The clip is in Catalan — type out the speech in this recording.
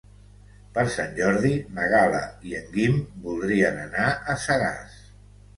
Per Sant Jordi na Gal·la i en Guim voldrien anar a Sagàs.